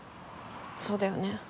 そうだよね。